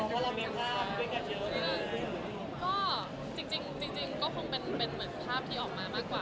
ก็จริงที่เหมือนภาพที่ออกมามากกว่า